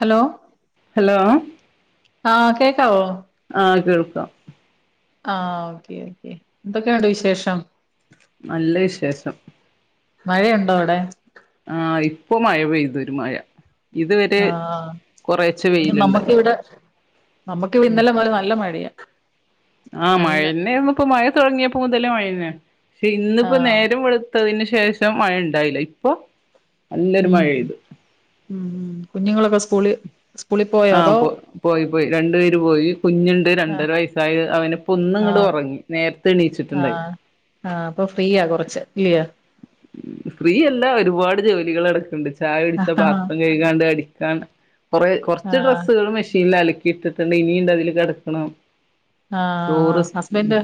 Hello hello ആ കേക്കാവോ ആ കേൾക്കാം ആ ഓക്കെ ഓക്കെ എന്തൊക്കെയു ണ്ട് വിശേഷം നല്ല വിശേഷം മഴ ഉണ്ടോ അവിടെ ആഹാ ഇപ്പൊ മഴ പെയ്തു ഒരു മഴ ആഹ് കൊറേച്ച് നമ്മുക്ക് ഇവിടെ നമ്മക്ക് ഇന്നലെ മൊതല് നല്ല മഴയാ ആഹാ മഴ നല്ല തന്നെ ആയിരുന്നു ഇപ്പം മഴ തൊടങ്ങിയപ്പോ മുതല് മഴ തന്നെയാണ് പക്ഷെ ഇന്നിപ്പോ- ആഹ് നേരംെള ളുത്തതിന് ശേഷം മഴ ഉണ്ടായില്ല ഇപ്പൊ നല്ലൊരു ഉം മഴ പെയ്തു ഉം ഉം കുഞ്ഞുങ്ങളൊക്കെ സ്കൂളി - സ്കൂളി പോ- പോയൊ ആഹ് അതോ- പോ പോയി പോയി രണ്ടു പേര് പോയി കുഞ്ഞുണ്ട് ആഹ് രണ്ടര വയസ്സായത് അവന് ഇപ്പൊ ഒന്ന് ഇങ്ങട്ട് ആഹ് ഒറങ്ങി നേരത്തെ എണീച്ചിട്ടുണ്ടായി ആഹ് ആഹ് അപ്പൊ ഫ്രീയാ കുറച്ച് ഇല്ലയോ ഫ്രീയല്ല ഒരുപാട് ജോലികൾ കിടക്കുണ്ട് ചായ കുടിച്ച ആഹ് പാത്രം കഴ [inaudible] ടിക്കൻ കുറ കുറച്ച് ഡ്രസ്സുകൾ മെഷീനിൽ അലക്കി ക ഇട്ടിട്ടുണ്ട് ഇനിണ്ട് അതില് കിടക്കണം ചോറ് ആഹ് [inaudible] ഹസ്ബൻഡ്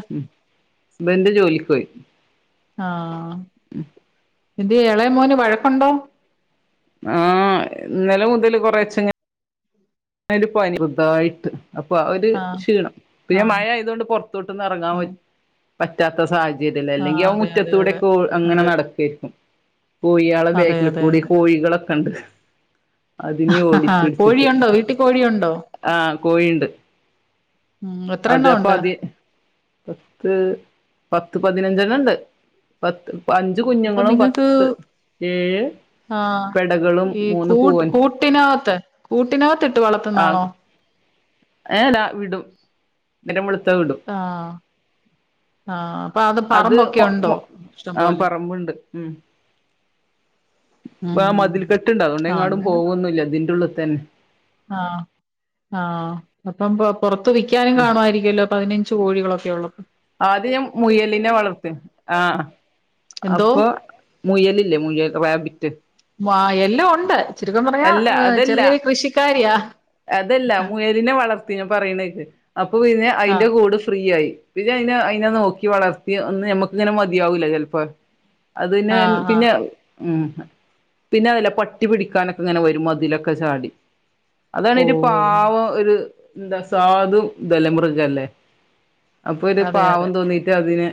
ബന്റെ ജോലിക്ക് പോയി ആഹ് ഉം ഇത് ഏളയ മോന് വഴക്കുണ്ടോ ആഹ് ഇന്നല മുതൽ കുറേച്ചേ [inaudible] പന്നിയുണ്ട് ചെറുതായിട്ട് അപ്പൊ അവര് ആഹ് ക്ഷീണം ഇപ്പ ഞാൻ ആഹ് മഴ ആയതൊണ്ട് പുറത്തോട്ട്ന്ന് ഇറങ്ങാൻ ആഹ് പറ്റില്ല പറ്റാത്ത സാഹചര്യല്ല ആഹ് അല്ലെങ്കിൽ അവൻ അതെ മുറ്റത്ത അതെ അതെ കൂടെക്കെ അങ്ങനെ അതെ നടക്കരിക്കും കോഴളെ അതെ ബേക്കിൽ അതെ കൂടി അതെ. കോഴികളൊക്കെ ഉണ്ട് അതിനെ ഓടിച്ചിട്ട് കോഴിയുണ്ടോ? വീട്ടിൽ കോഴിയുണ്ടോ? ആഹ് കോഴണ്ട് ഉം അത എത്രണ്ണം അപ്പൊ ഉണ്ട്? അത് പത്ത് പത്ത് പതിനഞ്ചണ ഉണ്ട് പത്ത് അഞ്ച് അപ്പൊ കുഞ്ഞുങ്ങളും നിങ്ങക്ക് പത്ത് ഏഴ് ആഹ് പെടകളും ഈ മൂന്ന് കൂട്ട് പൂവൻ കൂട്ടിനകത്ത് കൂട്ടിനകത്ത് ഇട്ട് വളർത്തുന്നാണോ ഏ ഡാ വിടും നേരം വെളുത്ത വിടും ആഹ് ആഹ് അപ്പൊ അത് പറമ്പൊക്കെ ഉണ്ടോ ഇഷ്ടം ആ പോലെ പറമ്പുണ്ട് ഉം ഉം ആ മതിൽ ഉം കെട്ടുണ്ട് ആഹ് അതുകൊണ്ടെങ്ങാടും അങ്ങനെ പോകൊന്നുമില്ല അതിന്റെ ഉള്ളിൽ തന്നെ ആഹ് ആഹ് അപ്പം പുറത്ത് വിൽക്കാനും കാണുമായിരിക്കല്ലോ അപ്പോ അതിന് ചോഴികൾ ഒക്കെ ഉള്ളൂ ആദ്യ ഞാൻ മുയലിനെ വളർത്തു ആഹ് എന്തോ? അപ്പൊ മുയലില്ലേ മുയൽ റാബിറ്റ് [inaudible] എല്ലാം ഉണ്ട് ചുരുക്കം പറഞ്ഞാൽ അല്ല അതല്ല ചെറിയൊരു കൃഷിക്കാരിയാ അതല്ല ആഹ് മുയലിനെ വളർത്തി ഞാൻ പറയണ കേക്ക് അപ്പൊ പിന്നെ ആഹ് അതിന്റെ കൂട് ഫ്രീ ആയി പിന്നെ അതിനെ അതിനെ നോക്കി വളർത്തി ഒന്ന് ഞമ്മക്കിങ്ങനെ മതിയാവൂലെ ചെലപ്പോ അത് പിന്നെ ആഹ് പിന്നെ ഉം പിന്നെ അതല്ല പട്ടി പട്ടി പിടിക്കാനൊക്കെങ്ങനെ വരും മതിലൊക്കെ ചാടി അതാണേ ഓഹ് ഒരു ഓഹ് പാവം ഒരു ന്താ സാധു തല്ലെ മൃഗല്ലേ അപ്പൊ ഒരു അതെ അതെ. പാവം തോന്നീട്ട് അതിന്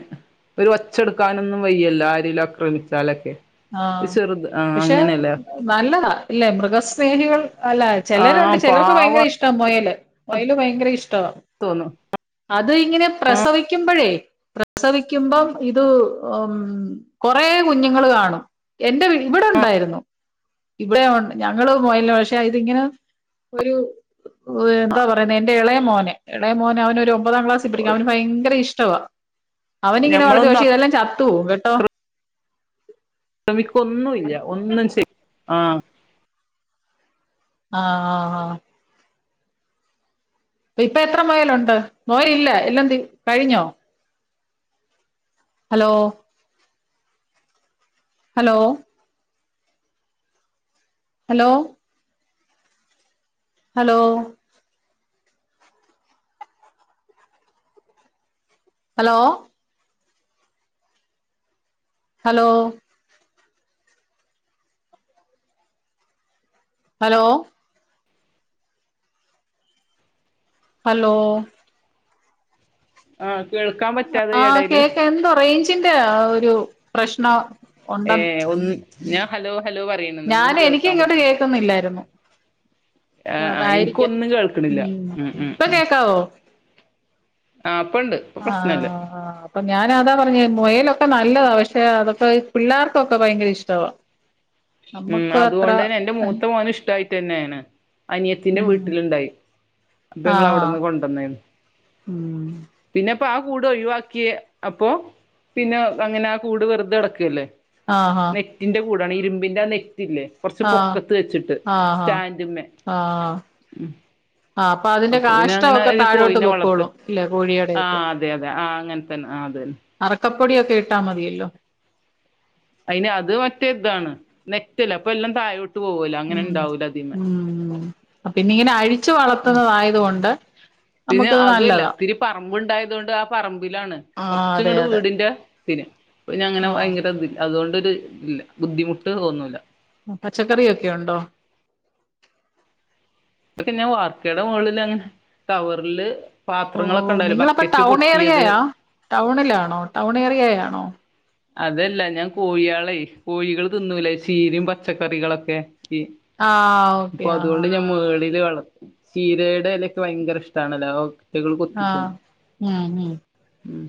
ഒരു ഒച്ചെടുക്കാനൊന്നും വയ്യല്ലോ ആരെലും അക്രമിച്ചാലൊക്കെ ആഹ് ചെറുത് ആഹ് പക്ഷെ അങ്ങനെല്ലേ നല്ലതാ ഇല്ലെ മൃഗ സ്നേഹികൾ അല്ല ആ ചെലരുണ്ട് ചെലർക്ക് ഭയങ്കര പാവം ഇഷ് ട്ടം മൊയല് മൊയല് ഭയങ്കര ഇഷ്ടവാ തോന്നു അത് ഇങ്ങനെ പ്രസവിക്കുമ്പഴേ പ്രസവിക്കുമ്പം ഇത് ഉം കൊറേ കുഞ്ഞുങ്ങള് കാണും എന്റെ ഇവിടെ ഒണ്ടാരുന്നു ഇവിടെ ഒണ്ട് ഞങ്ങള് മുയലിനെ പക്ഷെ അതിങ്ങനെ ഒരു ഒ എന്താ പറയുന്നേ എന്റെ എളയ മോനെ എളയ മോനെ അവനൊരു ഒബ ഒമ്പതാം ക്ലാസ്സി പഠിക്ക അവന് ഭയങ്കര ഇഷ്ടവാ അവനിങ്ങനെ വളത്തി ഞമ്മളൊന്നും പക്ഷെ അക്ര ഇതെല്ലാം ചത്ത് പോവും കേട്ടോ [unintelligible] ക്കൊന്നുവില്ല ഒന്നും ചെ ആഹ് ആഹ് ആഹ് ആഹ് അപ്പ ഇപ്പ എത്ര മൊയലൊണ്ട് മൊയലില്ല എല്ലാം തീ കഴിഞ്ഞോ hello hello hello hello hello hello hello hello ആഹ് കേൾക്കാം ആഹ് കേക്കാം എന്തോ റെയിഞ്ചിന്റെ ആഹ്‌ ഒരു പ്രശ്നോ ഏഹ് ഒന്ന് ഞാ ഹലോ ഹലോ വെ ഞാനെ എനിക്കിങ്ങോട്ട് കേക്കുന്നില്ലാരുന്നു ആഹ് ആഹ് അതായിരിക്കാം എനിക്കൊന്നും ഉം കേൾക്കണില്ല ഉം ഇപ്പോ ഉം കേക്കാവോ ആഹ് ഇപ്പണ്ട് ഇപ്പൊ പ്രശ്നല്ല ആഹ് ആഹ് അപ്പ ഞാനതാ പറഞ്ഞേ മൊയലൊക്കെ നല്ലതാ പക്ഷെ അതൊക്കെ പിള്ളേർക്കൊക്കെ ഭയങ്കര ഇഷ്ടവാ ഉം നമ്മുക്ക് അത്ര അതുകൊണ്ട് തന്നെ എന്റെ മൂത്ത മോന് ഇഷ്ടായിട്ട് തന്നെയാണ് അനിയത്തിന്റെ ഉം വീട്ടില്ണ്ടായി അപ്പ ആ ഞങ്ങളവിടെന്ന് കൊണ്ടന്നേണ് ഉം പിന്നെപ്പോ ആ കൂട് ഒഴിവാക്കിയ അപ്പോ പിന്നെ അങ്ങനെ ആ കൂട് വെറുതെടക്കല്ലേ ആഹ് ആഹ് ഇൻന്റെ കൂടാണ് ഇരുമ്പിന്റെ ആ നെറ്റ്ല്ലേ കൊറച്ച് ആഹ് പൊക്കത്ത് വെച്ചിട്ട് ആഹ് ആഹ് സ്റ്റാന്റ്മ്മേ ആഹ് ഉം ആഹ് അതിന്റെ അപ്പൊ പിന്നെ അങ്ങനെ കാഷ്ടമൊക്കെ താഴോട്ട് കോഴിനെ വളർത്ത് പൊക്കോളും ഇല്ലേ കോഴിയുടെയൊക്കെ ആഹ് അതെ അതെ ആഹ് അങ്ങൻ തന്നെ അതന്നെ അറക്കപ്പൊടിയൊക്കെ ഇട്ടാ മതിയല്ലോ അയിന് അത് മറ്റേ ഇതാണ് നെറ്റല്ലേ അപ്പൊ എല്ലാം താഴേ ഉം ഉം ഉം പിന്നെ ഇങ്ങനെ അഴിച്ചു വളർത്തുന്നതായതുകൊണ്ട് പിന്നെ അതുവല്ല ഇത്തിരി പറമ്പ്ണ്ടായതു കൊണ്ട് ആ പറമ്പിലാണ് ആഹ് അതെ കൊറച്ചിങ്ങട് അതെ വീടിന്റെ പിന്നെ പിന്നങ്ങനെ ഭയങ്കര ആഹ് ഇതില്ല അതുകൊണ്ടൊരു ഇതില്ല ബുദ്ധിമുട്ട് തോന്നൂല പച്ചക്കറിയൊക്കെ ഒണ്ടോ ഇതക്കെ ഞാൻ വാർക്കയുടെ മോളിലാണ് കവറില് ഓഹ് നിങ്ങളിപ്പ ടൗൺ ഏറിയായ ടൗണിലാണോ ടൗൺ ഏറിയായാണോ അതല്ല ഞാൻ കോഴിയാളെ കോഴികൾ തിന്നൂലേ ചീരയും പച്ചക്കറികളൊക്കെ ഈഹ് ആഹ് ഇപ്പ ഓക്കെ അതുകൊണ്ട് ആഹ് ഞാൻ മേളില് വളത്തും ചീരെടെ എലൊക്കെ ഭയങ്കര ഇഷ്ടണല്ലോ അവറ്റകള് ആഹ് കൊത്തിതിന്നും ഉം ഉം ഉം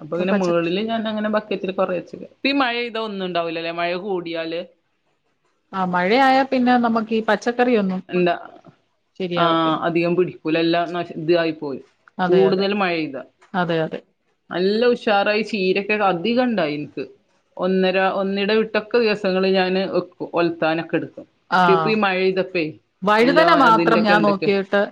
അപ്പ ഇങ്ങനെ പച്ച മേളി അങ്ങനെ ബക്കറ്റില് കൊറേ വെച്ചേക്കാ ഇപ്പ ഈ മഴ പെയ്താ ഒന്നും ഉണ്ടാവില്ലല്ലേ മഴ കൂടിയാല് ആഹ് മഴയയാ പിന്നെ നമുക്ക് ഈ പച്ചക്കറിയൊന്നും എന്താ ആഹ് ശരിയാവത്തില്ല അധികം പിടിക്കൂല എല്ലാം ന ഇതായി പോയി അതെ അതെ കൂടുതല് മഴപെയ്താ അതെ അതെ നല്ല ഉഷാറായി ചീരൊക്കെ അധികം ഇണ്ടായി എൻക്ക് ഒന്നര ഒന്നിടവിട്ടൊക്കെ ദിവസങ്ങള് ഞാൻ ഒലത്താനൊക്കെ എടുക്കും [unintelligible] ഇപ്പ ആഹ് ഈഹ് മഴ പെയ്യ്താ വഴുതന മാത്രം ഞാൻ നോക്കിട്ട്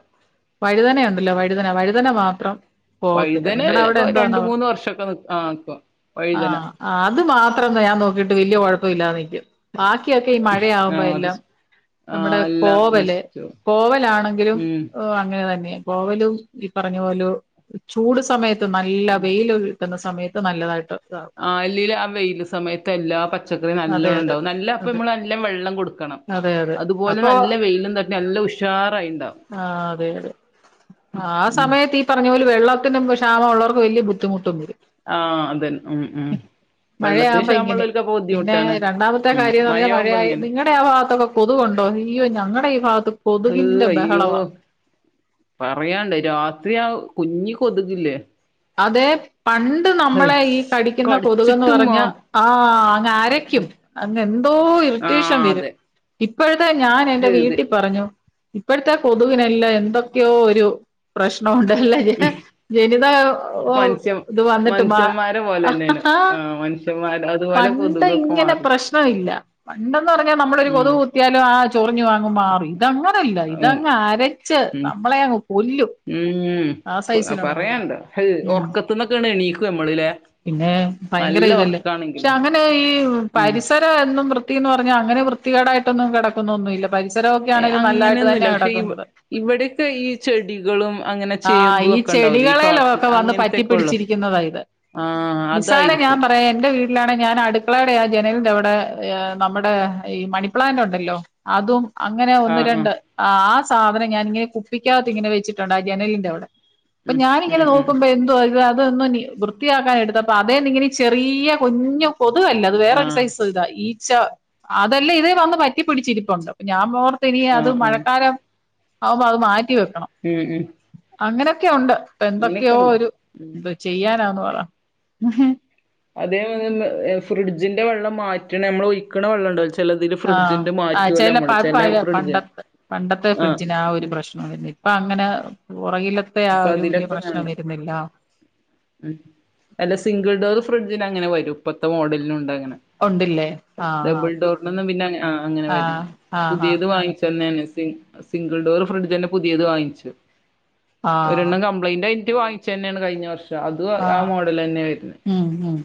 വഴുതന ഉണ്ടല്ലോ വഴുതന വഴുതന മാത്രം പോകത്തില്ല വൈതന നിങ്ങടെ അവിടെ രണ്ട് എന്താണാവോ മൂന്ന് വർഷം ഒക്കെ ആഹ് നിക്കും വഴ്തന. ആഹ് അത് മാത്രം ഞാൻ നോക്കിട്ട് വല്യ കൊഴപ്പല്ലാതെ നിക്കും. ബാക്കിയൊക്കെ ഈ ആ മഴയാവുമ്പോ അത് എല്ലാം ശ ആ നമ്മടെ എല്ലാം കോവല് നശിച്ചു പോവും. കോവലാണെങ്കിലും ഉം ഓഹ് അങ്ങനെ തന്നെ. കോവലും ഈ പറഞ്ഞ പോലെ ചൂട് സമയത്ത് നല്ല വെയില് സമയത്ത് നല്ലതായിട്ട് ഇതാവും. ആല്ലേലും ആഹ് വെയില് സമയത്ത് എല്ലാ പ ച്ചക്കറി അതെ നല്ലോണം അതെ ഇണ്ടാവും നല്ല അപ്പം അതെ നമ്മള് നല്ല വെള്ളം കൊട്ക്കണം അതെ അതെ അതുപോലെ അപ്പൊ നല്ല വെയിലും തട്ടി നല്ല ഉശ് ഉഷാറായി ഇണ്ടാവും. ആഹ് അതെ അതെ ആഹ് ഉം സമയത്ത് തി പർഞ്ഞ പോലെ വെള്ളത്തിനും ക്ഷാമം ഉള്ളോർക്ക് വല്ല്യ ബുദ്ധിമുട്ടും വരും. ആഹ് അതെ ഉം ഉം വെള്ളത്തിന് മഴയാകുമ്പോ ഇങ്ങനെ ക്ഷാമള്ളോൽ പിന്നെ രണ്ടാമത്തെ കാര്യംന്ന് പർഞ്ഞ മഴയായ ഇങ്ങനെ നിങ്ങടെ ആ ഭാഗത്തൊക്കെ കൊതുകുണ്ടോ? അയ്യോ ഞങ്ങടെ ഈ ഭാഗത്ത കൊതുകിന്റെ ബഹളവാ. പറയാണ്ടോ രാത്രി ആഹ് കുഞ്ഞി കൊതുകില്ലേ? അതെ പണ്ട് ഹ് നമ്മളെ ഈ കടിക്കുന്ന കൊതുകന്ന് കടിച്ചിട്ട് മാ പറഞ്ഞ ആഹ് അങ്ങ്അരയ്ക്കും. അന്ന് എന്തോ ഇർറ്റേഷൻ ആഹ് വരും അതെ ഇപ്പോഴത്തെ ഞാൻ എന്റെ ഇത് വീട്ടിൽ പറഞ്ഞു ഇപ്പോഴത്തെ കൊതുവിനല്ലാം എന്തൊക്കെയോ ഒരു പ്രശ്നമുണ്ടല്ലല്ലേ ജനിത ഓഹ് മനുഷ്യ ഇത് വന്നിട്ട്മാ ആഹ് ഉം മനുഷ്യമാരാ പണ്ട് ഇങ്ങനെ പ്രശ്നല്ല പണ്ടന്ന് പർഞ്ഞാ നമ്മളൊ ഒരു കൊതു ഉം ത്ത്യാലും ആഹ് ചൊറിഞ്ഞു അങ്ങ് മാറും ഇതങ്ങനല്ല ഉം ഇതങ്ങ് അരച്ച് ഉം നമ്മളെ അങ്ങ് കൊല്ലും. ഉം ആ സൈസിലുള്ള കൊതു പറയാണ്ടോ ഉം ഒർക്കത്ത്ന്നൊക്കെയണ് എണീക്കും നമ്മള്ല്ലേ? പിന്നെ ഭയങ്കര നല്ല ഇതല്ലേ പക്ഷെ ഉറക്കാണെങ്കിലും അങ്ങനെ ഈ ഉം പരിസ ഏഹ് എന്നും വൃത്തിന്ന് പർഞ്ഞാ അങ്ങനെ വൃത്തികേടായിട്ടൊന്നും കെടക്കുന്നൊന്നുല്ല്യ. പരിസരോ? ഏഹ് അങ്ങനെന്നുല്ല പക്ഷെ ഇവ് ഇവിടെക്കെ ഈ ചെടികളും അങ്ങനെ ആഹ് ചേമ്പും ഈ ഒക്കെ ഉണ്ടാവൂലേ ഈ കാട്ട് ചെടികളേലൊക്കെ വന്ന് അങ്ങനത്തെക്കെ ഉള്ളു പറ്റിപ്പിടിച്ചിരിക്കുന്നതാ ഇത്. ആഹ് പിസാര ഞാൻ അതായിരിക്കും പറയാൻ എന്റെ വീട്ടിലാണെ ഞാൻ അടുക്കളേടെ ആഹ് ജനലിന്റെ അവിടെ നമ്മുടെ ഈ മണിപ്ലാന്റ് ഉണ്ടല്ലോ. അതും അങ്ങനെ ഒന്ന് ആഹ് ആഹ് രണ്ട് ആഹ് സാധനം ഞാനിങ്ങനെ കുപ്പിക്കാകത്ത് ഇങ്ങനെ വെച്ചിട്ണ്ട് ആ ജനലിന്റെ അവിടെ. പ്പൊ ഉം ഞാനിങ്ങനെ ഉം ഉം നോക്കുമ്പോ എന്തോ [unintelligible] വൃത്തിയാക്കാനെട്ത്തപ്പൊ അതേന്ന ഇങ്ങനെ ചെറിയ്യ കുഞ്ഞ് കൊതുവല്ലഅത് വേറൊരു ആഹ് സൈസ് ഇതാ ഈ ച്ച അതെല്ലാം ഇതേ വന്ന് പറ്റി പിടിച്ചിരിപ്പുണ്ട് ഞാൻ ഓർത്തിനി അത് ആഹ് ആഹ് മഴക്കാലം ആവുമ്പോ അത് മാറ്റി വെക്കണം. ഉം ഉം അങ്ങനൊക്കെഉണ്ട് ഇപ്പ എന്തൊക്കെയോ അങ്ങനെയൊക്കെണ്ട് ഒരുത് ചെയ്യാനാന്ന് പറ. അതേ പോലെന്നെ ഫ്രിഡ്ജിന്റെ വെള്ളം മാറ്റ്ണ് അമ്മളൊഴിക്ണ വെള്ളംണ്ടോ ആഹ് ആ ചേലപ്പ അത് പഴേ ഫ്രിഡ്ജിന് പണ്ടത്തെ പണ്ടത്തെ ഫ്രിഡ്ജിനാ ആഹ് ഒരു പ്രശ്നം. ഇപ്പൊ അങ്ങനെ പുറകിലത്തെ ആഹ് അപ്പൊ ഒരു വല്യ അതിലൊക്കെ പ്രശ്നം നല്ല വരുന്നില്ല. ഉം അല്ല സിംഗിൾ ഡോറ് ഫ്രിഡ്ജിന് അങ്ങനെ വരും ഇപ്പത്തെ മോഡലിനുംണ്ട് അങ്ങനെ. ഉണ്ടില്ലേ ആഹ് ഡബിൾ ഡോറിനൊന്നും പിന്നെ ആ അങ്ങനെ വര്ന്നി ആഹ് ആഹ് ആഹ് പുതിയത് വാങ്ങിച്ചു തന്നനസി സിംഗിൾ ഡോർ ഫ്രിഡ്ജന്നെ പുതിയത് വാങ്ങിച്. ആഹ് ഒരെണ്ണം കംപ്ലൈന്റയ്ട്ട് വാങ്ങിച്ചന്നെയാണ് കഴിഞ്ഞ വർഷം അതും ആ ആഹ് മോഡൽ തന്നെയ വരുന്നത് ഉം ഉം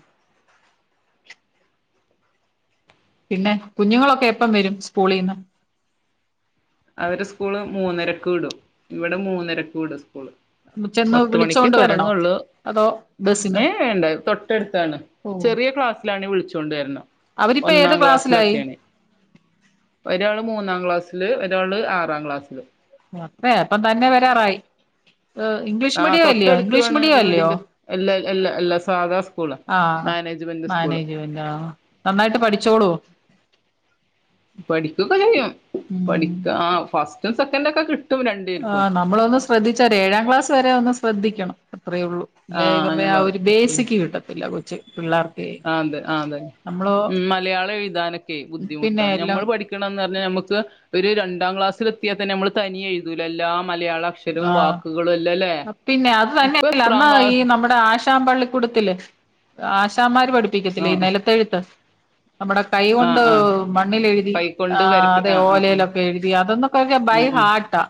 പിന്നെ കുഞ്ഞുങ്ങളൊക്കെ എപ്പം വരും സ്കൂളിൽന്ന്? അവരെ സ്കൂള് മൂന്നരക്ക് വിടും ഇവിടെ മൂന്നരക്ക് വിടും സ്കൂള് ചെന്ന് പത്ത് മണിക്ക് വിളിച്ചോണ്ട് വരണോ തുടങ്ങുള്ളൂ അതോ ബസിന് ഏഹ് വേണ്ട തൊട്ടടുത്താണ് ഓഹ് ചെറിയ ക്ലാസ്സിലാണെ വിളിച്ചു കൊണ്ട് വെര്ണം അവരിപ്പ ഏത് ഒന്നാം ക്ലാസ്സിലായി ക്ലാസ്സിലൊക്കെയാണ് ഒരാള് മൂന്നാം ക്ലാസ്സില് ഒരാള് ആറാം ക്ലാസ്സില് [unintelligible] ഇപ്പം തന്നെ വരാറായി ഏഹ് ഇ ആഗ തൊട്ടടുത്തുവാണ് വീടിന്റെ എല്ലാ എല്ല എല്ലാ സാധാ സ്കൂള് ആഹ് മാനേജ്മെന്റ് മാനേജ്മെന്റ് ആഹ് നന്നായിട്ട് പഠിച്ചോളൂ? പഠിക്കൊക്കെ ചെയ്യും ഉം പഠിക്ക ഫസ്റ്റും സെക്കൻഡും ഒക്കെ കിട്ടും രണ്ടു പേർക്കും ആഹ് നമ്മളൊന്ന് ശ്രദ്ധിച്ചാലെ ഏഴാം ക്ലാസ് വരെ ഒന്ന് ശ്രദ്ധിക്കണം അത്രയള്ളൂ ആ അല്ലേ ഈ പറഞ്ഞ ഞാൻ ആ ഒരു പറയാം ഉം ബേസിക്ക് കിട്ടത്തില്ല കൊച് പിള്ളേർക്ക് അതെ അതെ നമ്മള് ഉം മലയാളം എഴുതാനൊക്കെ പിന്നെ ബുദ്ധിമുട്ടാണ് എല്ലാം ഞമ്മൾ പഠി ക്കനം നർഞ അമക്ക് ഒരു രണ്ടാം ക്ലാസിൽ എത്തിയാ തന്നെ നമ്മൾ തനിയെ എഴുതുല്ലേ എല്ലാ മലയാളക്ഷ ആഹ് പിന്നെ അത് ഇപ്പൊ തന്നെയല്ല എത്രാം അന്ന് ഈ ക്ലാസ് നമ്മുടെ ആശ ആഷാൻ പള്ളിക്കൂടുത്തില് ആശാമ്മാര് പഠിപ്പിക്കത്തില്ല ആ ഈ നിലത്തെഴുത്ത് നമ്മുടെ കൈ ആ കൊണ്ട് ആ മണ്ണിൽ എഴുതി കൈക്കൊണ്ട് ആഹ് വരപ്പി അതെ ആ ആ ഓലയിലൊക്കെ എഴുതി അതൊന്നൊക്കെ ബൈ ഉം ഉം ഹാർട്ടാ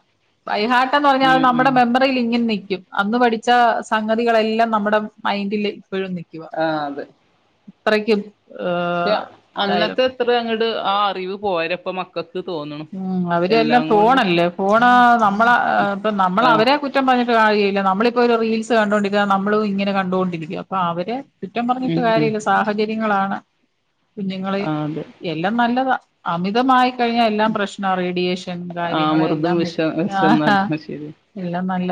ബയ്ഹാട്ടന്ന് പറഞ്ഞാ അത് ഉം ഉം നമ്മുടെ ഉം മെമ്മ ഇങ്ങനെ നിക്കും അന്ന് പഠിച്ച സംഗതികളെല്ലാം നമ്മുടെ മൈൻഡിൽ ഇപ്പോഴും നിക്കും ആഹ് അതെ അത്രയ്ക്കും ക്ഷെ ഇതായിരുന്നു അന്നത്തെ എത്ര അങ്ങോട് ആ അറിവ് പോരപ്പ മക്കൾക്ക് തോന്നണു ഉം അവരെല്ലാം എല്ലാം കൊണ്ടും ഫോണല്ലേ ഫോണ് നമ്മള ഇപ്പ നമ്മള ആ അവരെ കുറ്റ റ്റം പറഞ്ഞിട്ട് കാര്യല്ല നമ്മളിപ്പോ ഒരു റീൽസ് കണ്ടുകൊണ്ടിരിക്കുക നമ്മളും ഇങ്ങെനെ കണ്ടൊണ്ടരിക്കുക അപ്പൊ അവര് കുറ്റം പറഞ്ഞിട്ട് ഉം ഉം കാര്യല്ല സാഹചര്യങ്ങളാണ് കുഞ്ഞുങ്ങളെ ആ അതെ എല്ലാം നല്ലത അമിതമായി കഴിഞ്ഞാൽ എല്ല പ്രശ്ന റേഡിയേഷൻ ആ കാര്യങ്ങള് അമൃതും എല്ലാം വിഷം വിഷം ആഹ് ന്ന് ആഹ് പറഞ്ഞ ശരിയാ എല്ലാം നല്ല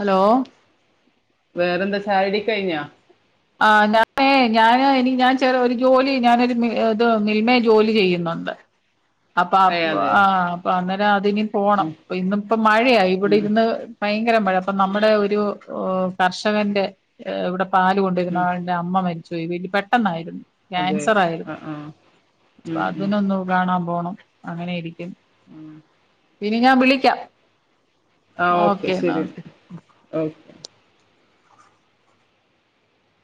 ഹലോ വേറെന്താ ചായ്യുടി കഴിഞ്ഞാ ആഹ് [unintelligible] ഏഹ് ഞാന് ഇനി ഞാൻ ചെറ ഒരു ജോലി ഞാനൊരു ഇത് മിൽമയെ ജോലി ചെയ്യുന്നുണ്ട്. അപ്പൊ അ ഏ അതെ ആഹ് അപ്പൊ അന്നേരം അതിനി പോണം ഉം ഇന്ന ഇപ്പോ മഴയ ഇവിടെ ഉം ഇരുന്ന് ഭയങ്കര മഴ അപ്പ നമ്മുടെ ഒരു കർഷകന്റെ ഇവിടെ പാല് കൊണ്ടുവരുന്ന ഉം ആഹ് എ അമ്മ മരിച്ചു പോയ് വല പെട്ടെന്നായിരുന്നു അതെ ക്യാൻസർ ആ ആയിരുന്നു ആ അപ്പ ഉം ഉം അതിനൊന്ന് കാണാൻ പോണം അങ്ങനൊയിരിക്കും ഉം ഇനി ഞാൻ വിളിക്കാം ആഹ് ഓക്കെ ശരി എന്നൽ ഓക്കെ